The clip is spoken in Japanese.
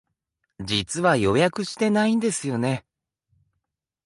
実は予約してないんですよね。